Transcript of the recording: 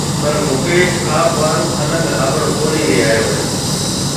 پر مڪيش آپ هارون الگ هابُڻ ڪونهي ليَ آيو هيَ۔